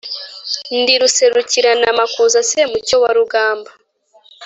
ndi rusarikanamakuza semucyo wa rugamba,